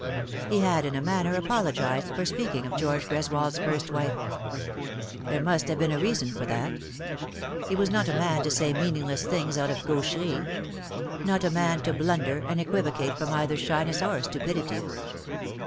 He had in a manner apologised for speaking of George Greswold's first wife. There must have been a reason for that He was not a man to say meaningless things out of gaucherie; not a man to blunder and equivocate from either shyness or stupidity.